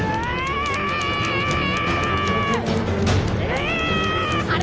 ああ！